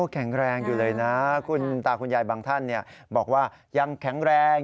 แข็งแรงอยู่เลยนะคุณตาคุณยายบางท่านบอกว่ายังแข็งแรง